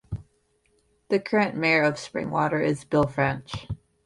The current mayor of Springwater is Bill French.